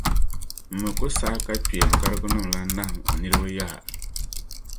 M mi ku saɣi ka kpeengarigunim’ lan nahim n niriba yaha.